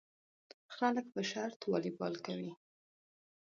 خلک په شرط والیبال کوي.